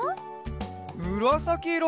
むらさきいろ！